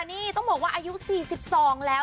นี่ต้องบอกว่าอายุ๔๒แล้ว